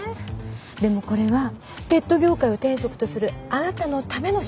でもこれはペット業界を天職とするあなたのための仕事だと思うの。